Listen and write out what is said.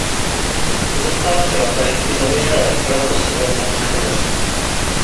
Po zastávce na Tahiti zamířila výprava do severního Tichomoří.